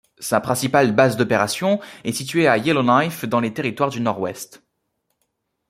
Sa principale base d'opération est située à Yellowknife dans les Territoires du Nord-Ouest.